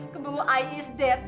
keburu ay is dead